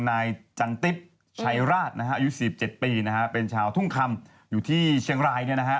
นายจันติ๊บชัยราชอายุ๑๗ปีเป็นชาวทุ่งคำอยู่ที่เชียงราย